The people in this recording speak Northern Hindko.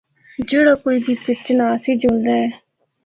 جِڑا کوئی بھی پیر چناسی جُلدا اے۔